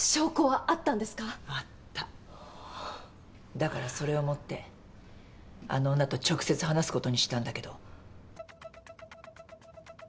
だからそれを持ってあの女と直接話すことにしたんだけど。